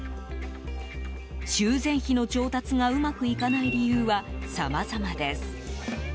修繕費の調達がうまくいかない理由はさまざまです。